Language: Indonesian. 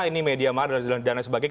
ini media madal dan sebagainya